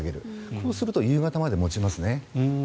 こうすると夕方まで持ちますね。